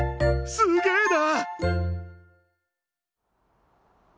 すげえな！